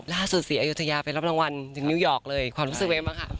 ล่าสุศีอยโยธยาไปรับรางวัลถึงนิวยอร์กเลยความรู้สึกไว้ไหมคะ